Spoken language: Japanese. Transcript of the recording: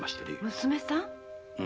娘さん？